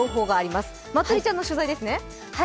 まつりちゃんの取材ですね。